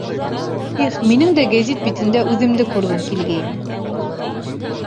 — Их, минең дә гәзит битендә үҙемде күргем килгәйне.